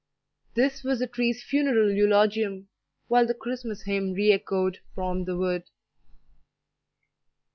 This was the tree's funeral eulogium, while the Christmas hymn re echoed from the wood.